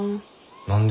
何で？